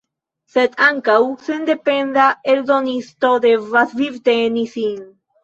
Sed ankaŭ sendependa eldonisto devas vivteni sin.